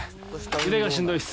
腕がしんどいです。